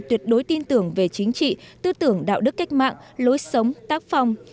tuyệt đối tin tưởng về chính trị tư tưởng đạo đức cách mạng lối sống tác phong